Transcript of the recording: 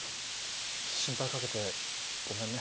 心配かけてごめんね。